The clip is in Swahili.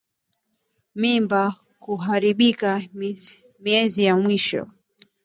Mimba kuharibika miezi ya mwisho